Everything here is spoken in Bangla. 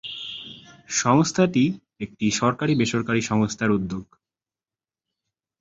সংস্থাটি একটি সরকারী-বেসরকারী সংস্থার উদ্যোগ।